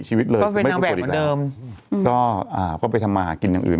ชีวิตเลยก็เป็นนางแบบเหมือนเดิมอืมก็อ่าก็ไปทำมาหากินอย่างอื่น